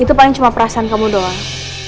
itu paling cuma perasaan kamu doang